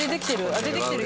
出てきてる？